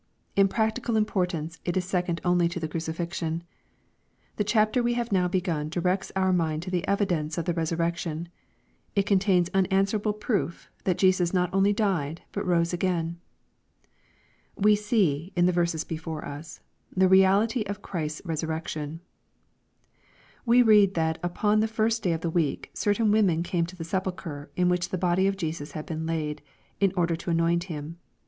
In practical importance it is second only to the crucifixion. The chapter we have now begun directs our mind to the evidence of the resur rection. It contains unanswerable proof that Jesus not only died, but rose again. We see, in the verses before us, the reality of Qhriat s resurrection. We read, that upon " the first day of the weel^' certain women came to the sepulchre in which the^ body of Jesus had been laid, in order to anoint Him.